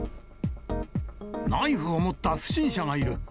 ナイフを持った不審者がいる。